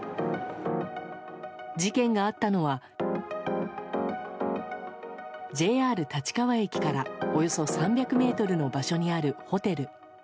事件があったのはＪＲ立川駅からおよそ３００ｍの場所にあるホテル。